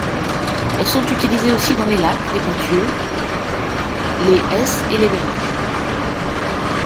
Elles sont utilisées aussi dans les laques, les peintures, les s et les vernis.